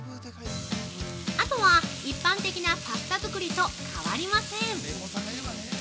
◆あとは一般的なパスタ作りと変わりません！